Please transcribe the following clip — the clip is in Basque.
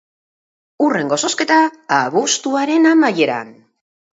Hurrengo zozketa, abuztuaren amaieran.